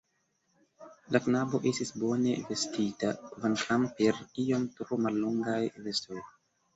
La knabo estis bone vestita, kvankam per iom tro mallongaj vestoj.